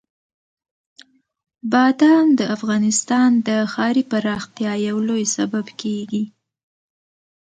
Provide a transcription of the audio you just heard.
بادام د افغانستان د ښاري پراختیا یو لوی سبب کېږي.